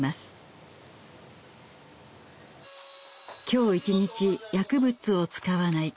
今日一日薬物を使わない。